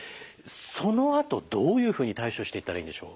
そのあとどういうふうに対処していったらいいんでしょう？